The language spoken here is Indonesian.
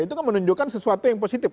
itu kan menunjukkan sesuatu yang positif